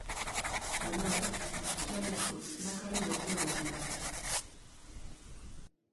Oro har, Australiako plakari lotua dago.